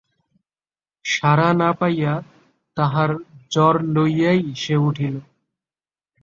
সাড়া না পাইয়া তাহার জ্বর লইয়াই সে উঠিল।